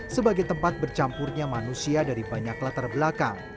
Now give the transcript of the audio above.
sebagai tempat bercampurnya manusia dari banyak latar belakang